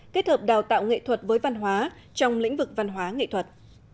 kết hợp đào tạo nghệ thuật với văn hóa trong lĩnh vực văn hóa nghệ thuật